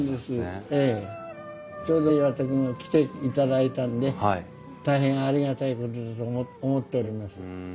ちょうど岩田君が来ていただいたんで大変ありがたいことだと思っております。